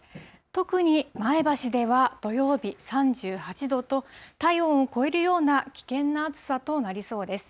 特に前橋では土曜日３８度と、体温を超えるような危険な暑さとなりそうです。